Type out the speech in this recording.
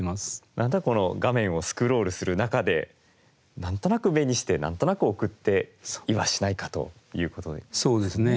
何となく画面をスクロールする中で何となく目にして何となく送っていはしないかということですね。